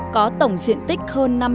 có tổng diện tích hơn năm mươi năm m hai